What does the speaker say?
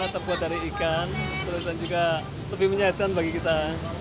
terbuat dari ikan dan juga lebih menyehatkan bagi kita